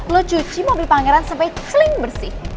lo cuci mobil pangeran sampe kling bersih